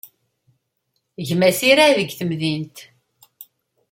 Gma-s iraɛ deg temdint.